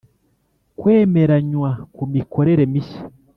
Kwemeranywa ku mikorere mishya